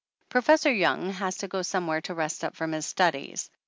Pro fessor Young has to go somewhere to rest up from his studies.